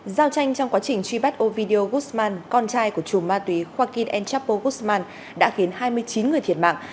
giao tranh trong quá trình truy bắt ovidio guzman con trai của chủ ma túy joaquin el chapo guzman đã khiến hai mươi chín người thiệt mạng